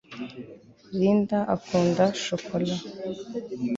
linda akunda shokora